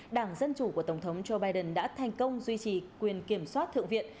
đảng dân chủ của tổng thống joe biden đã thành công duy trì quyền kiểm soát thượng viện